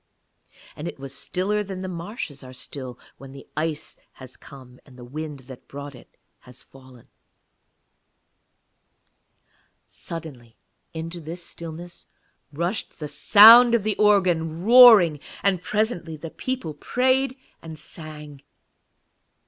And it was stiller than the marshes are still when the ice has come and the wind that brought it has fallen. Suddenly into this stillness rushed the sound of the organ, roaring, and presently the people prayed and sang.